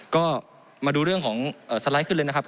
ก็มาดูเรื่องของสไลด์ขึ้นเลยนะครับ